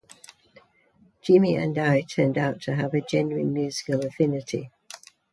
Jimmy and I turned out to have a genuine musical affinity.